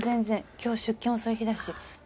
今日出勤遅い日だし。